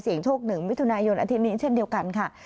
เสี่ยงโชคหนึ่งวิทุนายนอาทิตย์นี้เช่นเดียวกันค่ะ